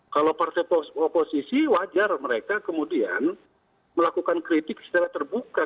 kalau partai oposisi wajar mereka kemudian melakukan kritik secara terbuka